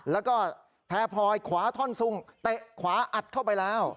แล้วก็แพร่พลอยขวาท่อนซุงเตะขวาอัดเข้าไปแล้ว